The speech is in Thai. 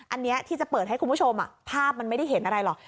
อันนี้ที่จะเปิดให้คุณผู้ชมภาพมันไม่ได้เห็นอะไรหรอก